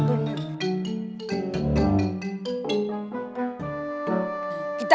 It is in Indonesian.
kita harus ambil cin cin itu